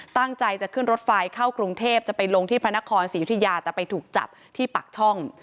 ตั้งใจจะขึ้นรถไฟเข้ากรุงเทพจะไปลงที่พระนครศรียุธิยาแต่ไปถูกจับที่ปากช่อง